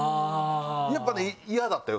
やっぱね嫌だったよ